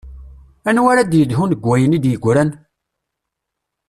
Anwa ara d-yedhun deg wayen i d-yeggran?